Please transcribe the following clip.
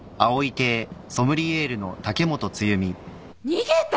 逃げた！？